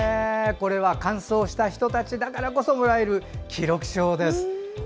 これは完走した人たちだからこそもらえる記録証です。